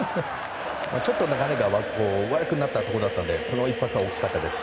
ちょっと流れが悪くなったところでしたのでこの一発は大きかったです。